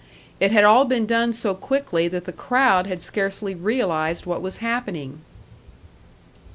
It had all been done so quickly that the crowd had scarcely realised what was happening.